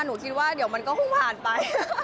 หนูคิดว่าเดี๋ยวมันก็คงผ่านไป